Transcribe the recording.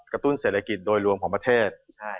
ตุ้นเศรษฐกิจโดยรวมของประเทศ